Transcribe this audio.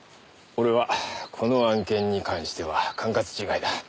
俺はこの案件に関しては管轄違いだ。